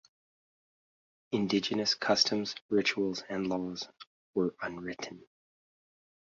Indigenous customs, rituals and laws were unwritten.